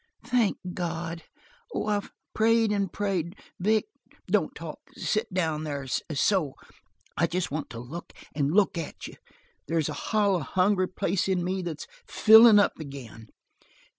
"Thank God! Oh, I've prayed and prayed Vic, don't talk. Sit down there so! I just want to look and look at you. There's a hollow, hungry place in me that's filling up again."